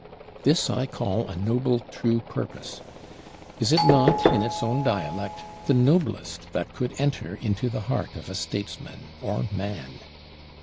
This I call a noble true purpose; is it not, in its own dialect, the noblest that could enter into the heart of Statesman or man?